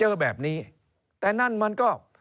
เริ่มตั้งแต่หาเสียงสมัครลง